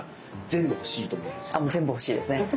全部欲しいですね。